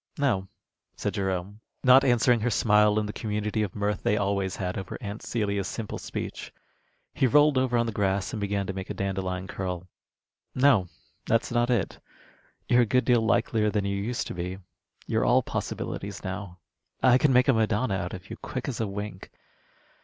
"No," said Jerome, not answering her smile in the community of mirth they always had over Aunt Celia's simple speech. He rolled over on the grass and began to make a dandelion curl. "No, that's not it. You're a good deal likelier than you used to be. You're all possibilities now. I could make a Madonna out of you, quick as a wink.